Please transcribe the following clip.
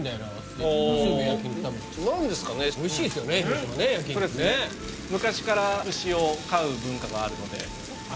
焼き肉ね昔から牛を飼う文化があるのでああ